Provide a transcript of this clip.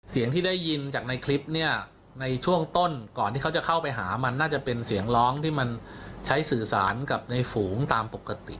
เสียงที่ได้ยินจากในคลิปเนี่ยในช่วงต้นก่อนที่เขาจะเข้าไปหามันน่าจะเป็นเสียงร้องที่มันใช้สื่อสารกับในฝูงตามปกติ